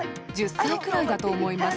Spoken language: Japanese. １０歳くらいだと思います。